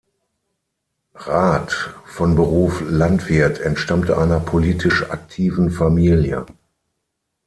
Rath, von Beruf Landwirt, entstammte einer politisch aktiven Familie.